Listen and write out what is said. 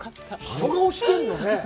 人が押してるんだね。